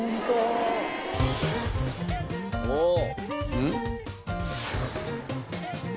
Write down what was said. うん？